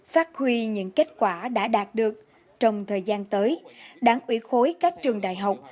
phát huy những kết quả đã đạt được trong thời gian tới đảng ủy khối các trường đại học